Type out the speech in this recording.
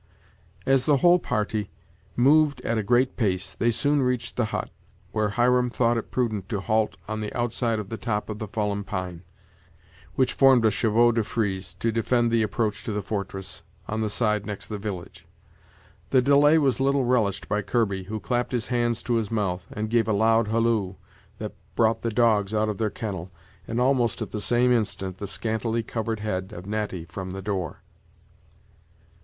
As the whole party moved at a great pace, they soon reached the hut, where Hiram thought it prudent to halt on the outside of the top of the fallen pine, which formed a chevaux de frise, to defend the approach to the fortress, on the side next the village. The delay was little relished by Kirby, who clapped his hands to his mouth, and gave a loud halloo that brought the dogs out of their kennel, and, almost at the same instant, the scantily covered head of Natty from the door.